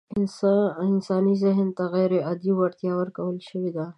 انساني ذهن ته غيرعادي وړتيا ورکول شوې ده.